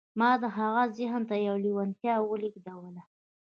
ما د هغه ذهن ته يوه لېوالتیا ولېږدوله.